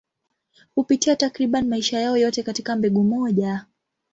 Hupitia takriban maisha yao yote katika mbegu moja.